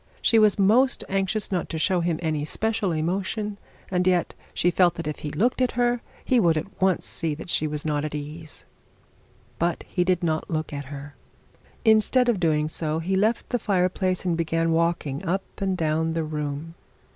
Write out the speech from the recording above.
She was most anxious not to show to him any special emotion, and yet she felt that if he looked at her he would at once see that she was not at ease. But he did not look at her. Instead of doing so, he left the fire place and began walking up and down the room.